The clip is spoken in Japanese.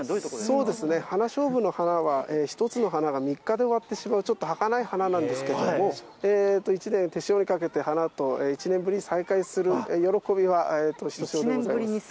そうですね、花しょうぶの花は、１つの花が３日で終わってしまう、ちょっとはかない花なんですけども、１年、手塩にかけて、花と１年ぶりに再会する喜びは、ひとしおでございます。